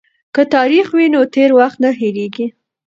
که تاریخ وي نو تیر وخت نه هیریږي.